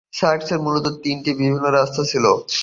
Sussex মূলত তিনটি ভিন্ন রাস্তা ছিল।